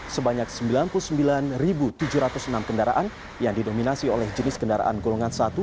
sebanyak sembilan puluh sembilan tujuh ratus enam kendaraan yang didominasi oleh jenis kendaraan golongan satu